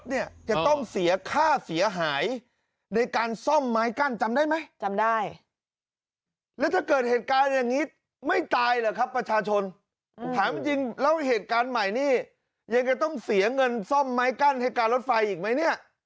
เนี่ยจะต้องเสียค่าเสียหายในการซ่อมไม้กั้นจำได้ไหมจำได้แล้วถ้าเกิดเหตุการณ์อย่างนี้ไม่ตายเหรอครับประชาชนถามจริงแล้วเหตุการณ์ใหม่นี่ยังจะต้องเสียเงินซ่อมไม้กั้นให้การรถไฟอีกไหมเนี่ย